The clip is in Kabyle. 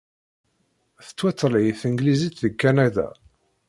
Tettwatlay tneglizit deg Kanada.